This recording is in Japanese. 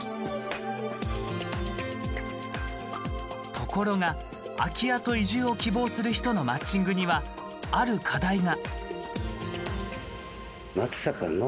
ところが空き家と移住を希望する人のマッチングにはある課題が。